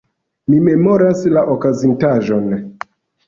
Mi memoras la okazintaĵon.